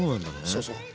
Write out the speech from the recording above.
そうそう。